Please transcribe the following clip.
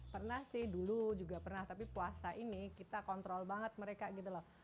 pernah sih dulu juga pernah tapi puasa ini kita kontrol banget mereka gitu loh